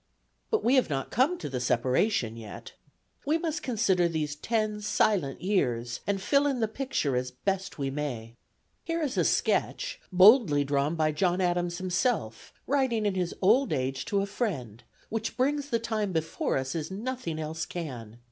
But we have not come to the separation yet; we must consider these ten silent years, and fill in the picture as best we may. Here is a sketch, boldly drawn by John Adams himself, writing in his old age to a friend, which brings the time before us as nothing else can.